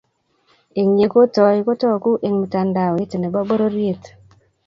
Eng ye kotoi kotokuu eng mitandaoit ne bo bororie.